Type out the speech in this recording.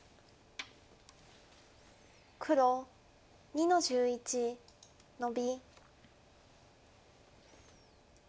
黒２の十一ノビ。